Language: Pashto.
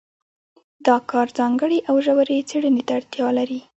دا کار ځانګړې او ژورې څېړنې ته اړتیا لري.